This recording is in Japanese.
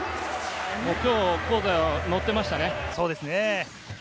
今日、香西はのっていましたね。